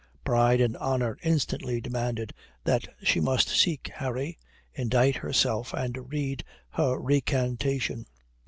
Pride and honour instantly demanded that she must seek Harry, indict herself and read her recantation.